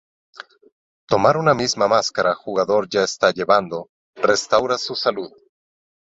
Tomar una misma máscara jugador ya está llevando, restaura su salud.